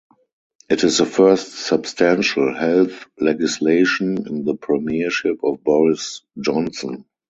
It is the first substantial health legislation in the premiership of Boris Johnson.